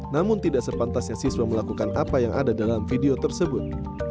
namun tidak sepantasnya siswa melakukan apa yang ada dalam video tersebut